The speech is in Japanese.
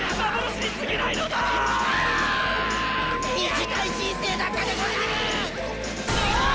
短い人生だったでござる！